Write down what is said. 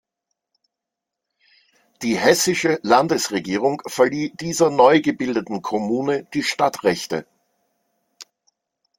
Die hessische Landesregierung verlieh dieser neu gebildeten Kommune die Stadtrechte.